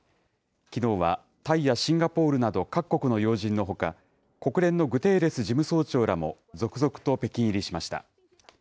きのうはタイやシンガポールなど各国の要人のほか、国連のグテーレス事務総長らも続々と北京入りしました。